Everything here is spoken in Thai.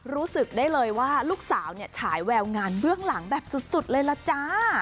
รู้สึกได้เลยว่าลูกสาวเนี่ยฉายแววงานเบื้องหลังแบบสุดเลยล่ะจ้า